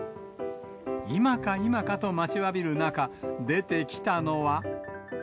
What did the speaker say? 今か今かと待ちわびる中、出てきたのは。